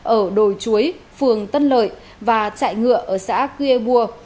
ở đồi chuối phường tân lợi và chạy ngựa ở xã cuyê bua